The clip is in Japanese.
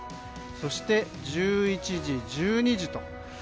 そして、１１時、１２時と。